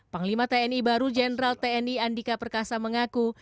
panglima tni baru jenderal tni andika perkasa mengaku